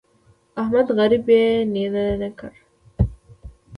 احمد غريب يې نينه نينه کړ.